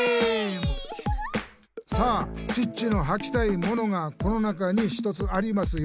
「さあチッチのはきたいものがこの中に１つありますよ！」